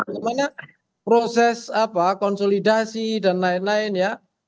namanya proses konsolidasi dan lain lain ya